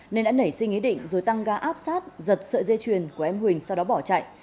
nên đã nảy sinh ý định rồi tăng ga áp sát giật sợi dây chuyền của em huỳnh sau đó bỏ chạy